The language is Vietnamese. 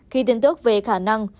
khi tin tức về khả năng